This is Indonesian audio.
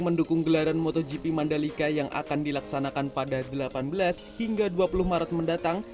mendukung gelaran motogp mandalika yang akan dilaksanakan pada delapan belas hingga dua puluh maret mendatang